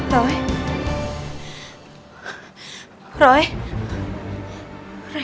gpanya seperti itu saja